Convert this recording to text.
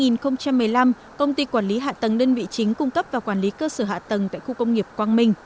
năm hai nghìn một mươi năm công ty quản lý hạ tầng đơn vị chính cung cấp và quản lý cơ sở hạ tầng tại khu công nghiệp quang minh